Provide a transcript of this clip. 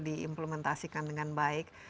diimplementasikan dengan baik